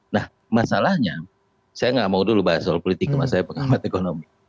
nah masalahnya saya nggak mau dulu bahas soal politik mas saya pengamat ekonomi